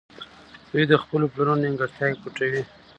دوی د خپلو پلرونو نيمګړتياوې پټوي.